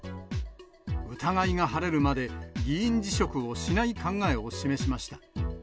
疑いが晴れるまで、議員辞職をしない考えを示しました。